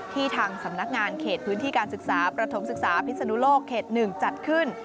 ทางสำนักงานเขตพื้นที่การศึกษาประถมศึกษาพิศนุโลกเขต๑จัดขึ้น